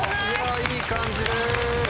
いい感じです。